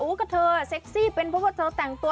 โอ้คครเจอก็เซ็ขซี่เป็นเพราะตัวแต่งตัว